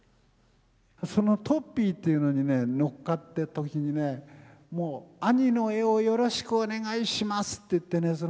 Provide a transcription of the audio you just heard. そのトッピーっていうのにね乗っかった時にねもう「兄の絵をよろしくお願いします」って言ってね